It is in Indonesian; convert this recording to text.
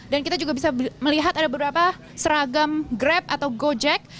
dan kita juga bisa melihat ada beberapa seragam grab atau gojek